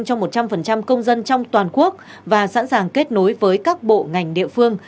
cho một trăm linh công dân trong toàn quốc và sẵn sàng kết nối với các bộ ngành địa phương